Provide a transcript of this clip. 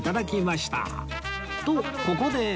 とここで